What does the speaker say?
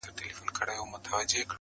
زما گلاب زما سپرليه، ستا خبر نه راځي.